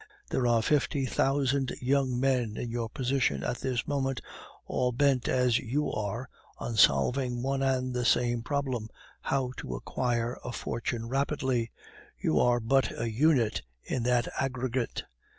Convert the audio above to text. There are fifty thousand young men in your position at this moment, all bent as you are on solving one and the same problem how to acquire a fortune rapidly. You are but a unit in that aggregate.